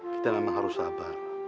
kita memang harus sabar